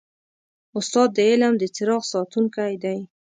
استاد د علم د څراغ ساتونکی دی.